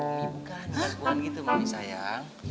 mami bukan perempuan gitu mami sayang